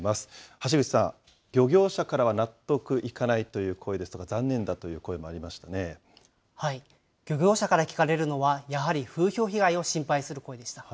橋口さん、漁業者からは納得いかないという声ですとか、残念だと漁業者から聞かれるのは、やはり風評被害を心配する声でした。